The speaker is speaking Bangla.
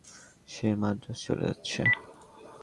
সে মাদ্রাজ চলে যাচ্ছে।